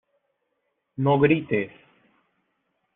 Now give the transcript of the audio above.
no grites.